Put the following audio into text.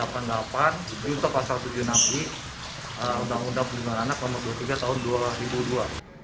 dan menuntut pasal tujuh enam undang undang perlindungan anak nomor dua puluh tiga tahun dua ribu dua